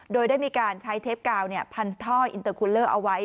โดยได้มีการใช้เทปกาวพันท่ออินเตอร์คูลเลอร์เอาไว้